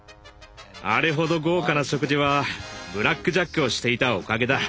あれほど豪華な食事はブラックジャックをしていたおかげだ。